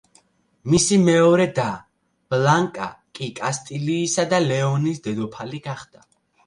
მისი მეორე და, ბლანკა კი კასტილიისა და ლეონის დედოფალი გახდა.